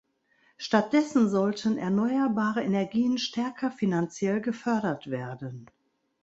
Stattdessen sollten erneuerbare Energien stärker finanziell gefördert werden.